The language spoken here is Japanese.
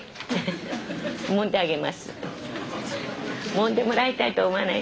もんでもらいたいと思わない？